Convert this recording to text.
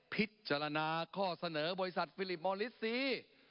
พิจารณาข้อเสนอบริษัทฟิลิปมอลิสซี